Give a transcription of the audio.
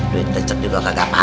duit tecek juga kagak apa apa